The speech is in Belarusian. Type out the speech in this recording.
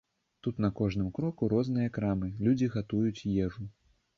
Тут на кожным кроку розныя крамы, людзі гатуюць ежу.